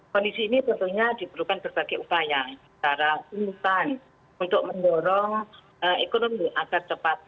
kondisi ini tentunya diperlukan berbagai upaya secara instan untuk mendorong ekonomi agar cepat